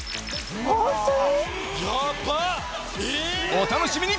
お楽しみに！